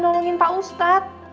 pengen pak ustadz